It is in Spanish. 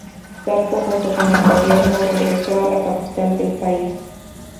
Zarco, junto con el gobierno, regresó a la capital del país.